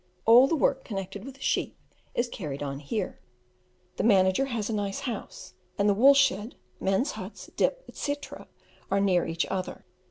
All the work connected with the sheep is carried on here. The manager has a nice house; and the wool shed, men's huts, dip, etc., are near each other.